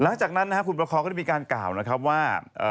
หลังจากนั้นนะครับคุณประคอก็ได้มีการกล่าวนะครับว่า